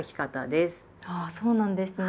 あそうなんですね。